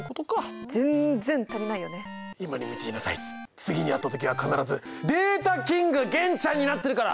次に会った時は必ずデータキング玄ちゃんになってるから！